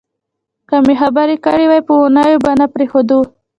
که مې خبر کړي وای په اوونیو به نه پرېښودو.